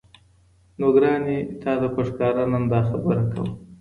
نو ګراني! تاته په ښكاره نن داخبره كوم